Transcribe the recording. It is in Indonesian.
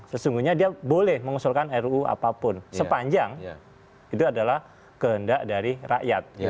sesungguhnya dia boleh mengusulkan ru apapun sepanjang itu adalah kehendak dari rakyat